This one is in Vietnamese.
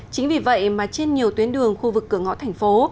chính vì vậy mà trên nhiều tuyến đường khu vực cửa ngõ thành phố